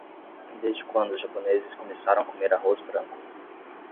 Desde quando os japoneses começaram a comer arroz branco?